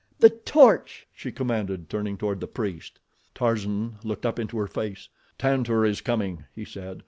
The torch!" she commanded, turning toward the priest. Tarzan looked up into her face. "Tantor is coming," he said.